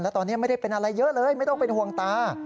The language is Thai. และตอนนี้ไม่ได้เป็นอะไรเยอะเลยไม่ต้องเป็นห่วงตา